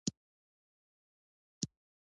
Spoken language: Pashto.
رسوب د افغانستان د فرهنګي فستیوالونو برخه ده.